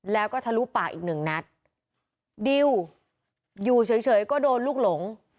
แล้วก็ทะลุปากอีกหนึ่งนัดดิวอยู่เฉยเฉยก็โดนลูกหลง